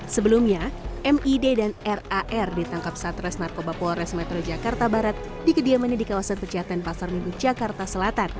sebelumnya mid dan rar ditangkap saat res narkoba polres metro jakarta barat di kediamannya di kawasan pejaten pasar minggu jakarta selatan